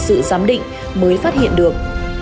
cơ quan hình sự giám định mới phát hiện được